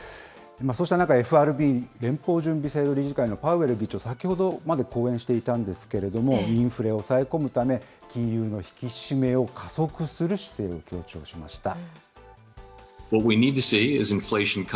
そうした中、ＦＲＢ・連邦準備制度理事会のパウエル議長、先ほどまで講演していたんですけれども、インフレを抑え込むため、金融の引き締めを加速する姿勢を強調しました。